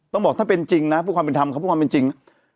ต้องบอกถ้าเป็นจริงนะเพื่อความเป็นธรรมเขาพูดความเป็นจริง